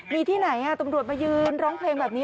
มีที่ไหนตำรวจมายืนร้องเพลงแบบนี้